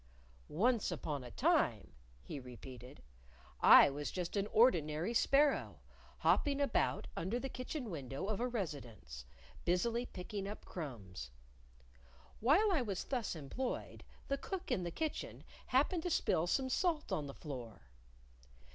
"Once upon a time," he repeated, "I was just an ordinary sparrow, hopping about under the kitchen window of a residence, busily picking up crumbs. While I was thus employed, the cook in the kitchen happened to spill some salt on the floor.